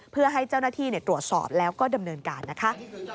เพื่อให้เจ้าหน้าที่ตรวจสอบแล้วก็ดำเนินการนะคะ